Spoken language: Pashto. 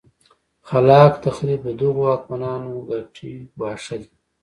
خلا ق تخریب د دغو واکمنانو ګټې ګواښلې.